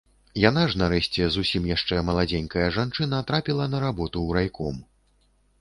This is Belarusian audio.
Яна ж нарэшце, зусім яшчэ маладзенькая жанчына, трапіла на работу ў райком.